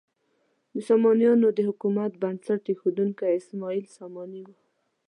د سامانیانو د حکومت بنسټ ایښودونکی اسماعیل ساماني و.